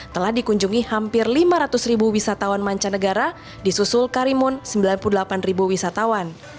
telah dikunjungi hampir lima ratus ribu wisatawan mancanegara di susul karimun sembilan puluh delapan wisatawan